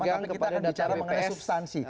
karena kita akan bicara mengenai substansi